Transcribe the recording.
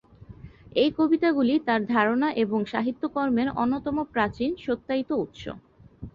এই কবিতাগুলি তাঁর ধারণা এবং সাহিত্যকর্মের অন্যতম প্রাচীন সত্যায়িত উৎস।